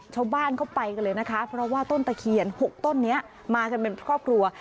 ชาวบ้านเข้าไปกันเลยนะคะเพราะว่าต้นตะเคียน๖ต้นนี้มากันเป็นครอบครัว